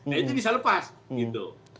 nah itu bisa lepas gitu